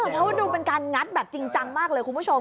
เพราะว่าดูเป็นการงัดแบบจริงจังมากเลยคุณผู้ชม